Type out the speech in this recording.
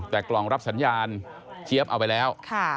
แต่กล่องรับสัญญาณเจี๊ยบเอาไปแล้ว